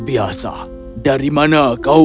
biasa dari mana kau